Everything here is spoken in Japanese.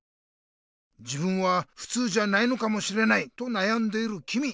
「自分はふつうじゃないのかもしれない」となやんでいるきみ。